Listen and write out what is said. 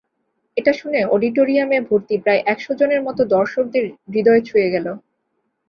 এটা শুনে অডিটোরিয়ামে ভর্তি প্রায় একশ জনের মতো দর্শকদের হূদয় ছুঁয়ে গেল।